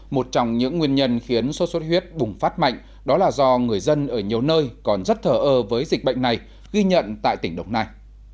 một trong những nguyên nhân khiến sốt xuất huyết bùng phát mạnh đó là do người dân ở nhiều nơi còn rất thờ ơ với dịch bệnh này ghi nhận tại tỉnh đồng nai